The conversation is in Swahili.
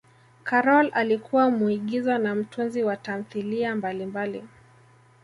karol alikuwa muigiza na mtunzi wa tamthilia mbalimbali